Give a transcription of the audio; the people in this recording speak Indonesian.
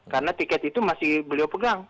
karena tiket itu masih beliau pegang